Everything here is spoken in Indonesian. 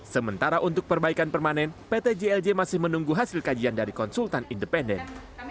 sementara untuk perbaikan permanen pt jlj masih menunggu hasil kajian dari konsultan independen